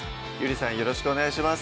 よろしくお願いします